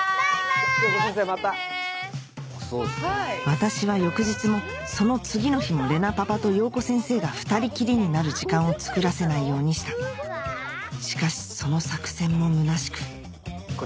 私は翌日もその次の日も玲奈パパと洋子先生が２人きりになる時間をつくらせないようにしたしかしその作戦もむなしくこれ。